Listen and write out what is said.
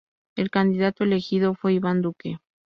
El candidato elegido fue Iván Duque.